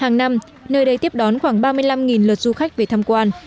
hàng năm nơi đây tiếp đón khoảng ba mươi năm lượt du khách về tham quan